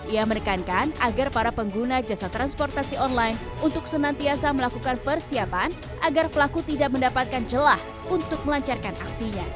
ia menekankan agar para pengguna jasa transportasi online untuk senantiasa melakukan persiapan agar pelaku tidak mendapatkan celah untuk melancarkan aksinya